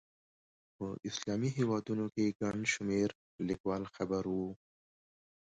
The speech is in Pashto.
په اسلامي هېوادونو کې ګڼ شمېر لیکوال خبر وو.